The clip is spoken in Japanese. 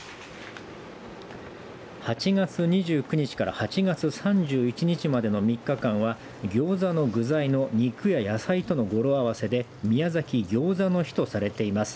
８月２９日から８月３１日までの３日間はぎょうざの具材の肉や野菜との語呂合わせで宮崎ぎょうざの日とされています。